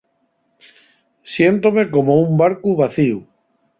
Siéntome como un barcu vacíu.